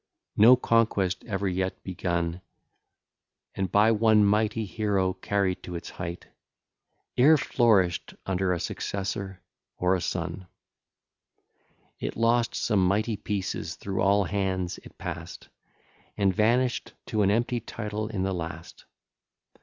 No conquest ever yet begun, And by one mighty hero carried to its height, E'er flourished under a successor or a son; It lost some mighty pieces through all hands it pass'd, And vanish'd to an empty title in the last.